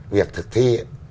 việc thực thi